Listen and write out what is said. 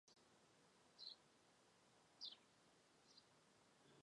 可升级为金将。